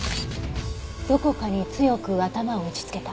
どこかに強く頭を打ち付けた。